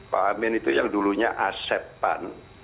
pak amin itu yang dulunya aset pan